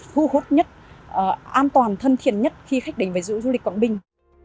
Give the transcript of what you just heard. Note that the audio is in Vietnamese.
thu hút nhất an toàn thân thiện nhất khi khách đến với du lịch quảng bình